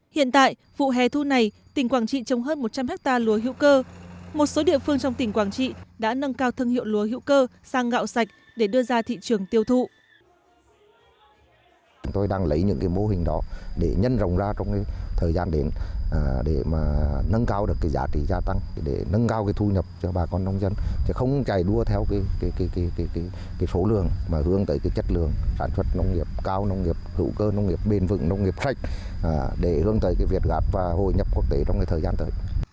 hiện tại vụ hè thu này tỉnh quảng trị trồng hơn một trăm linh hectare lúa hữu cơ một số địa phương trong tỉnh quảng trị đã nâng cao thân hiệu lúa hữu cơ sang gạo sạch để đưa ra thị trường tiêu thụ